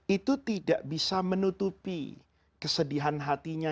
itu tidak bisa menutupi kesedihan hatinya